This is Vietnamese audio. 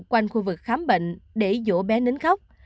quanh khu vực khám bệnh để dỗ bé đến khóc